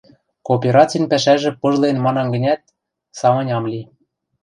Кооперацин пӓшӓжӹ пыжлен манам гӹнят, самынь ам ли.